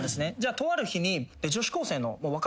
とある日に。